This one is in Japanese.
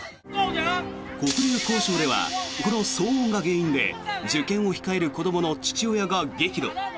黒竜江省ではこの騒音が原因で受験を控える子どもの父親が激怒。